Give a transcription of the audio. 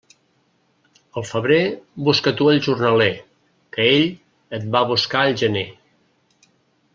Al febrer, busca tu el jornaler, que ell et va buscar al gener.